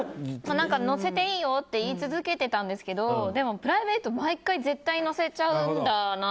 載せていいよって言い続けてたんですけどでもプライベートを毎回、絶対載せちゃうんだな。